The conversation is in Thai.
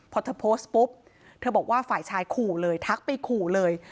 พอเธอโพสต์ปุ๊บเธอบอกว่าฝ่ายชายขู่เลยทักไปขู่เลย